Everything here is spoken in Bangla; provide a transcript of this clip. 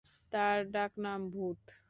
তার ডাকনাম ভূত।